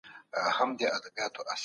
تر څو به د کور په کارونو کي لوېدلې يم